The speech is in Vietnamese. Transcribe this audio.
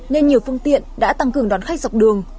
nên nhiều phương tiện đã tăng cường đón khách dọc đường